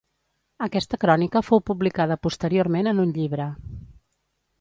Aquesta crònica fou publicada posteriorment en un llibre.